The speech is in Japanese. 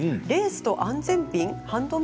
レースと安全ピン？